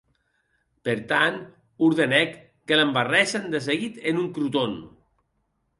Per tant, ordenèc que l’embarrèssen de seguit en un croton.